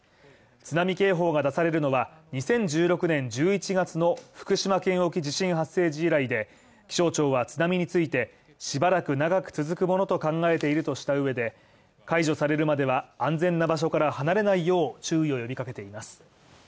津波警報が出されるのは、２０１６年１１月の福島県沖地震発生時以来で、気象庁は津波についてしばらく長く続くものと考えているとした上で解除されるまでは、安全な場所から離れないよう注意を呼びかけています。